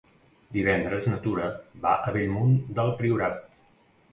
Divendres na Tura va a Bellmunt del Priorat.